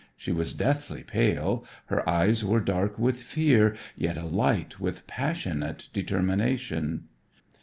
She was deathly pale. Her eyes were dark with fear, yet alight with passionate determination.